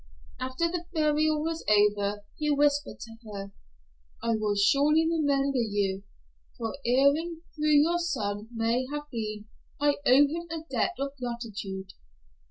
After the burial was over he whispered to her, "I will surely remember you, for, erring though your son may have been, I owe him a debt of gratitude."